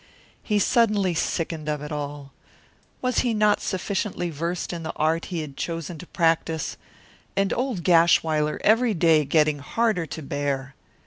He suddenly sickened of it all. Was he not sufficiently versed in the art he had chosen to practise? And old Gashwiler every day getting harder to bear!